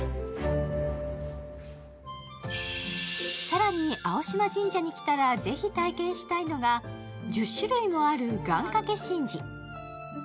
更に、青島神社に来たらぜひ体験したいのが、１０種類もある願掛け神事。